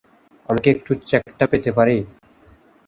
আমি কি একটু চেকটা পেতে পারি?